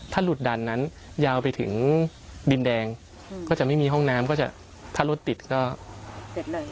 ถ้าหลุดดันนั้นยาวไปถึงดินแดงก็จะไม่มีห้องน้ำก็จะถ้ารถติดก็ติดเลย